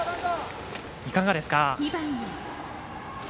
いかがですか？